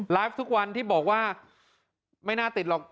ทุกวันที่บอกว่าไม่น่าติดหรอก